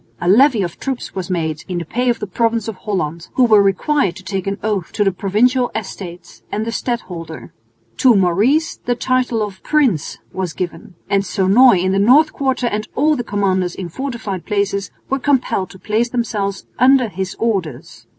A levy of troops was made (in the pay of the province of Holland), who were required to take an oath to the Provincial Estates and the stadholder. To Maurice the title of "Prince" was given; and Sonoy in the North Quarter and all the commanders of fortified places were compelled to place themselves under his orders.